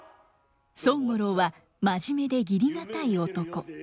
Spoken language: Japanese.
宗五郎は真面目で義理堅い男。